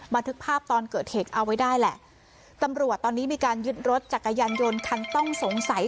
บันทึกภาพตอนเกิดเหตุเอาไว้ได้แหละตำรวจตอนนี้มีการยึดรถจักรยานยนต์คันต้องสงสัย